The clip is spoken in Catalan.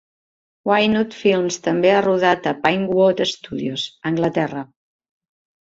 WingNut Films també ha rodat a Pinewood Studios, Anglaterra.